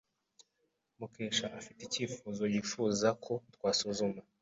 Mukesha afite icyifuzo yifuza ko twasuzuma.